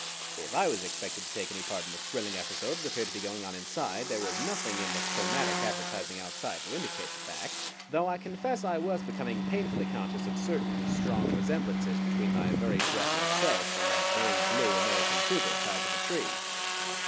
If I was expected to take any part in the thrilling episode that appeared to be going on inside, there was nothing in the chromatic advertising outside to indicate the fact; though I confess I was becoming painfully conscious of certain strong resemblances between my very breathless self and that very blue American trooper tied to the tree.